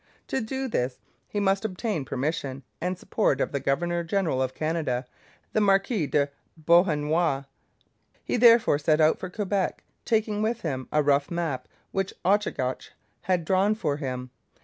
To do this, he must obtain the permission and support of the governor general of Canada, the Marquis de Beauharnois. He therefore set out for Quebec, taking with him a rough map which Ochagach had drawn for him.